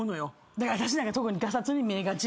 だから私なんか特にがさつに見えがちやんか。